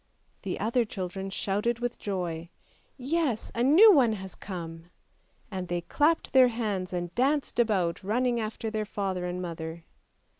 The other children shouted with joy, " Yes, a new one has come! " And they clapped their hands and danced about, running after their father and mother.